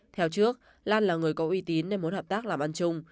theo trước lan là người có uy tín nên muốn hợp tác làm ăn chung